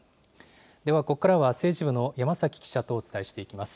ではここからは、政治部の山崎記者とお伝えしていきます。